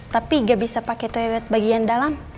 tapi dia bisa pakai toilet bagian dalam